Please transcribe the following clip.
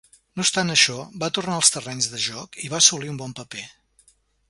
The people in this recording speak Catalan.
No obstant això, va tornar als terrenys de joc i va assolir un bon paper.